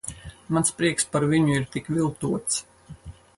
Mans prieks par viņu ir tik viltots.